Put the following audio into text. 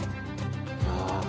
「ああ」